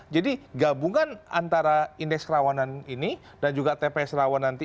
jadi gabungan antara indeks rawanan ini dan juga tps rawan nanti